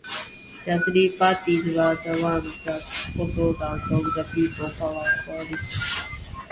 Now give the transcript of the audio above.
The three parties were the ones that bolted out of the People Power Coalition.